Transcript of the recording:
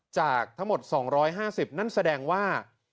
จากทั้งหมด๒๕๐นั่นแสดงว่า